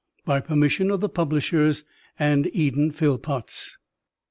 By permission of the publishers and Eden Phillpotts.